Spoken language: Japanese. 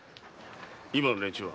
今の連中は？